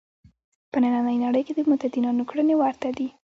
په نننۍ نړۍ کې د متدینانو کړنې ورته دي.